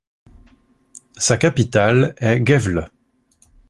Sa capitale est Gävle.